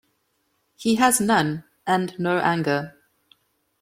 He has none, and no anger.